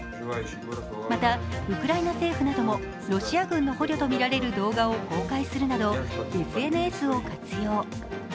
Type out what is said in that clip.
また、ウクライナ政府などもロシア軍の捕虜とみられる動画を公開するなど、ＳＮＳを活用。